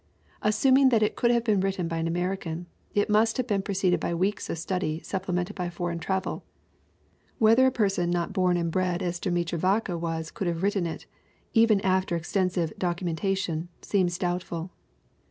Assuming that it could have been written by an American, it must have been preceded by weeks of study supple mented by foreign travel; whether a person not born and bred as Demetra Vaka was could have written it, even after extensive "documentation," seems doubtful.